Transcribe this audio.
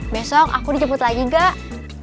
besok aku dijemput lagi gak